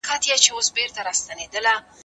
زه به سبا یو نوی کتاب پیل کړم.